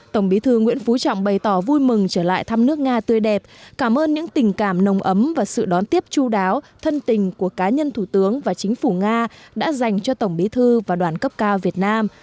tổng bí thư nguyễn phú trọng bày tỏ vui mừng trở lại thăm nước nga tươi đẹp cảm ơn những tình cảm nồng ấm và sự đón tiếp chú đáo thân tình của cá nhân thủ tướng và chính phủ nga đã dành cho tổng bí thư và đoàn cấp cao việt nam